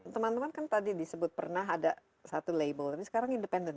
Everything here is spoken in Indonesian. teman teman kan tadi disebut pernah ada satu label tapi sekarang independen